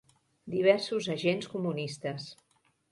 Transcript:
Diversos agents comunistes